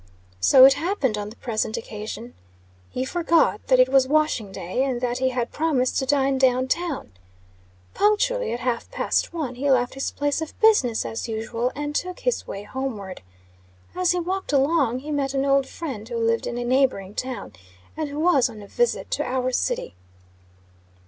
So it happened on the present occasion. He forgot that it was washing day, and that he had promised to dine down town. Punctually at half past one he left his place of business, as usual, and took his way homeward. As he walked along, he met an old friend who lived in a neighboring town, and who was on a visit to our city.